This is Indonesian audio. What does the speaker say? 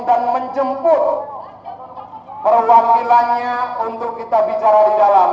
dan menjemput perwakilannya untuk kita bicara di dalam